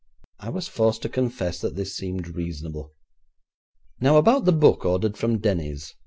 I was forced to confess that this seemed reasonable. Now, about the book ordered from Denny's.